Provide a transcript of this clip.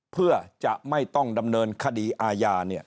เพื่อจะไม่ต้องดำเนินคดีอาญา